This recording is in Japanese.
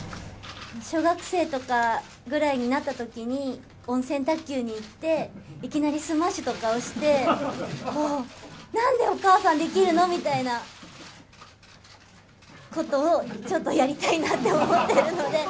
小学生とかぐらいになったときに、温泉卓球に行って、いきなりスマッシュとかをして、おお、なんでお母さんできるの？みたいなことをちょっとやりたいなと思っているので。